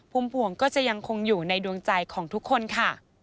ภวงก็จะยังคงอยู่ในดวงใจของทุกคนค่ะ